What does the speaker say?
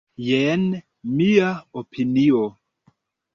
Jen mia opinio.